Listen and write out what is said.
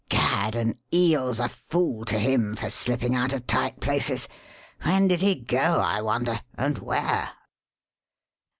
Gad, an eel's a fool to him for slipping out of tight places. When did he go, I wonder, and where?"